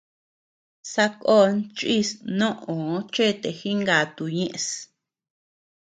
Sakón chís nóʼoo chete jinkatu ñëʼes.